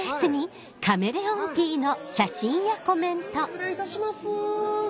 失礼いたします。